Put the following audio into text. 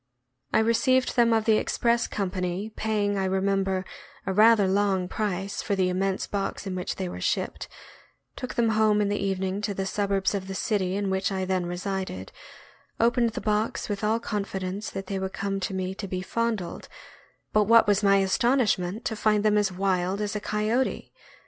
I received them of the express company, paying, I remem ber, a rather long price for the immense box in which they were shipped, took them home in the evening to the sub urbs of the city in which I then resided, opened the box with all confidence that they would come to me to be fondled; but what was my astonishment to find them as wild as a coyote.